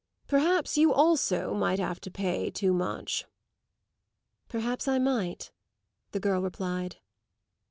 Perhaps you also might have to pay too much." "Perhaps I might," the girl replied.